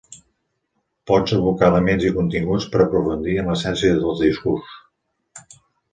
Pot evocar elements i continguts per aprofundir en l’essència del discurs.